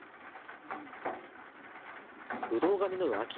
ぶどうが実る秋。